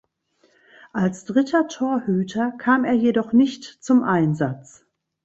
Als dritter Torhüter kam er jedoch nicht zum Einsatz.